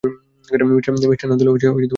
মিষ্টান্ন দিলেও মুখ বন্ধ হয় না।